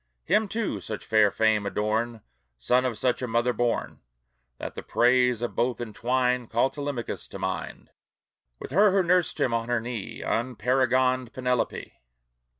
Him, too, such fair fame adorn, Son of such a mother born, That the praise of both entwined Call Telemachus to mind, With her who nursed him on her knee, Unparagoned Penelope!